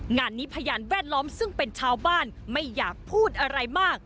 งานนี้พยานแวดล้อมซึ่งเป็นชาวบ้านไม่อยากพูดอะไรมาก